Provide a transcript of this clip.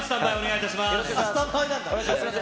もうスタンバイなんだ。